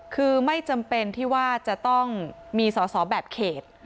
คือไม่จำเป็นที่ว่าจะต้องมีสอสอแบบเขต